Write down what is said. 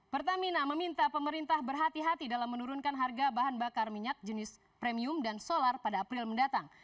pertamina meminta pemerintah berhati hati dalam menurunkan harga bahan bakar minyak jenis premium dan solar pada april mendatang